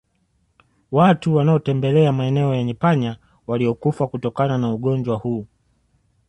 Watu wanaotembelea maeneo yenye panya waliokufa kutokana na ugonjwa huu